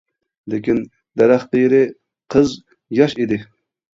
لېكىن دەرەخ قېرى، قىز ياش ئىدى.